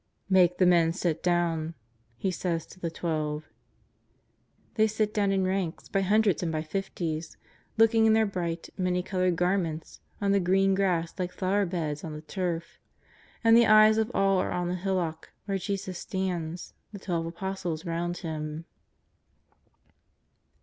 " Make the men sit down," He says to the Twelve. They sit down in ranks, by hundreds and by fifties, looking in their bright, many coloured garments on the 240 JESUS OF NAZAEETH. green grass like flowerbeds on the turf. And the eyes of all are on the hillock where »Tesus stands, the twelve Apostles round Him.